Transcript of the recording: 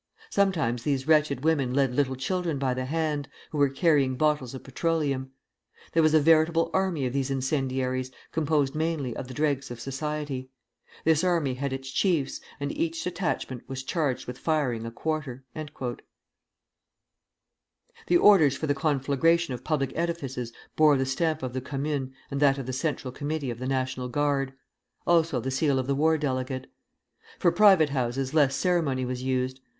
Sometimes these wretched women led little children by the hand, who were carrying bottles of petroleum. There was a veritable army of these incendiaries, composed mainly of the dregs of society. This army had its chiefs, and each detachment was charged with firing a quarter." The orders for the conflagration of public edifices bore the stamp of the Commune and that of the Central Committee of the National Guard; also the seal of the war delegate. For private houses less ceremony was used.